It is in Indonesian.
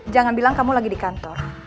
jangan bilang kamu lagi di kantor